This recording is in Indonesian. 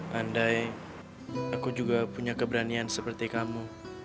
pandai aku juga punya keberanian seperti kamu